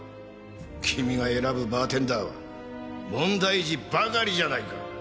君が選ぶバーテンダーは問題児ばかりじゃないか！